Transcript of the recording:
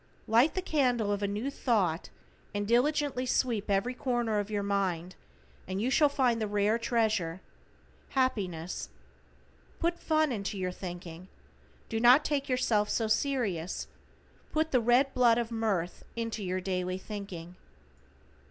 Light the candle of a new thought and diligently sweep every corner of your mind, and you shall find the rare treasure happiness. Put fun into your thinking. Do not take yourself so serious, put the red blood of mirth into your daily thinking.